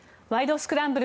スクランブル」